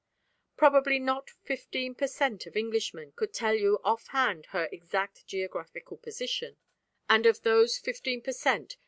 Probably not fifteen per cent. of Englishmen could tell you offhand her exact geographical position, and of those fifteen per cent.